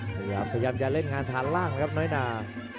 พยายามจะเล่นงานฐานล่างแล้วครับน้อยนา